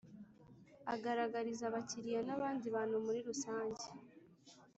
agaragariza Abakiriya n abandi bantu muri rusanjye